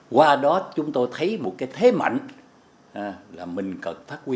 qua đó chúng tôi thấy một cái thế mạnh là mình cần phát huy